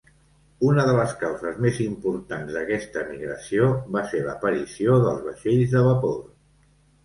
Una de les causes més importants d'aquesta emigració va ser l'aparició dels vaixells de vapor.